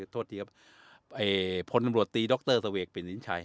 โทษทีครับพลบรวดตีดรสเวกเป็นนินชัย